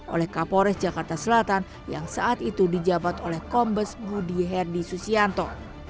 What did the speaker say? oleh kapolres jakarta selatan yang saat itu dijabat oleh kombes budi herdi susianto